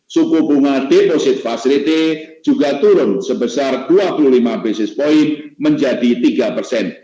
suku bunga deposit facility juga turun sebesar dua puluh lima basis point menjadi tiga persen